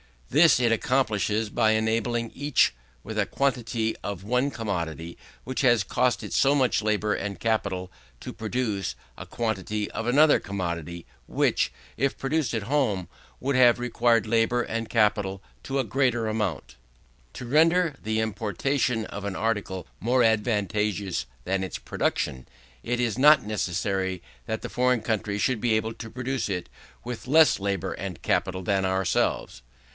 This it accomplishes by enabling each, with a quantity of one commodity which has cost it so much labour and capital, to purchase a quantity of another commodity which, if produced at home, would have required labour and capital to a greater amount. To render the importation of an article more advantageous than its production, it is not necessary that the foreign country should be able to produce it with less labour and capital than ourselves.